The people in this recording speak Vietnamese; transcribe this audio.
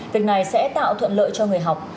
việc này sẽ tạo thuận lợi cho người học